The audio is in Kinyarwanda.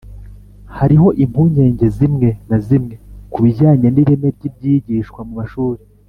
hariho impungenge zimwe na zimwe ku bijyanye n'ireme ry'ibyigishwa mu mashuri